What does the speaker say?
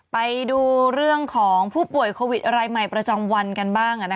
ไปดูเรื่องของผู้ป่วยโควิดรายใหม่ประจำวันกันบ้าง